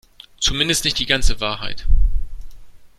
Zumindest nicht die ganze Wahrheit.